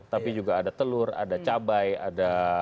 tapi juga ada telur ada cabai ada